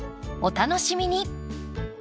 お楽しみに。